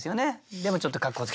でもちょっとかっこつけ。